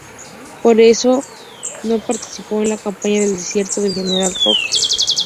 Por eso no participó en la campaña del desierto del general Roca.